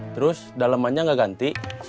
terus dalemannya nggak ganti